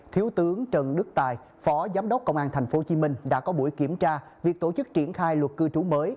thiếu tướng trần đức tài phó giám đốc công an tp hcm đã có buổi kiểm tra việc tổ chức triển khai luật cư trú mới